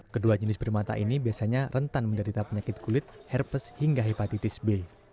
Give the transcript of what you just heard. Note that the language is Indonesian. kedua jenis primata ini biasanya rentan menderita penyakit kulit herpes hingga hepatitis b